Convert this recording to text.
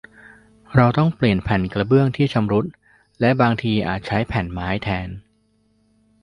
เราต้องเปลี่ยนแผ่นกระเบื้องที่ชำรุด และบางทีอาจใช้แผ่นไม้แทน